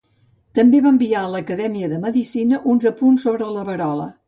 També va enviar a l'Acadèmia de Medicina uns apunts sobre la verola.